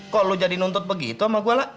kok lo jadi nuntut begitu sama gua la